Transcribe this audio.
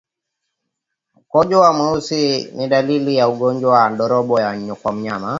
Mkojo kuwa mweusi ni dalili ya ugonjwa wa ndorobo kwa mnyama